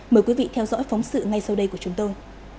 mời quý vị theo dõi phóng sự ngay sau đây của chúng tôi